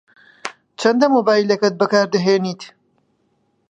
چەندە مۆبایلەکەت بەکار دەهێنیت؟